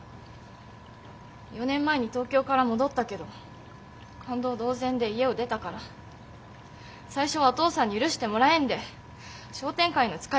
４年前に東京から戻ったけど勘当同然で家を出たから最初はお父さんに許してもらえんで商店会の使いっぱしり